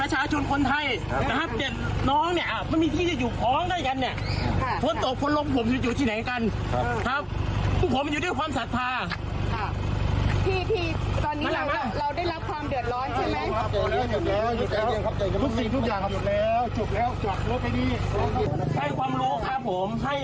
ให้ความรู้ครับผมให้รู้ว่าความจริงคืออะไร